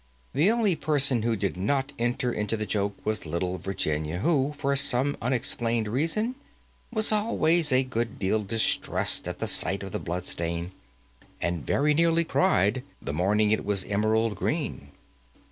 The only person who did not enter into the joke was little Virginia, who, for some unexplained reason, was always a good deal distressed at the sight of the blood stain, and very nearly cried the morning it was emerald green.